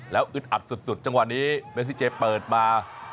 แล้วอึดอัดสุดจังหวะนี้เมซิเจเปิดมา